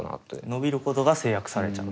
伸びることが制約されちゃう。